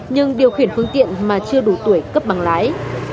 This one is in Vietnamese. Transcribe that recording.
nhưng điều khiển phương tiện mà chưa đủ tuổi cấp bằng lái